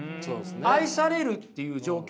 愛されるっていう状況にね